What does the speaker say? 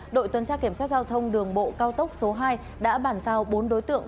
đội tuần tra kiểm soát giao thông đường bộ cao tốc số hai đã bản giao bốn đối tượng